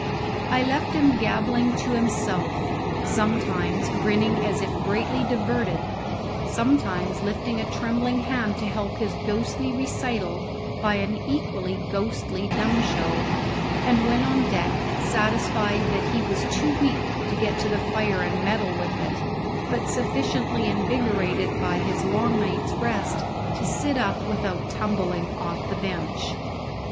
I left him gabbling to himself, sometimes grinning as if greatly diverted, sometimes lifting a trembling hand to help his ghostly recital by an equally ghostly dumb show, and went on deck, satisfied that he was too weak to get to the fire and meddle with it, but sufficiently invigorated by his long night's rest to sit up without tumbling off the bench.